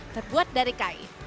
terbuat dari kain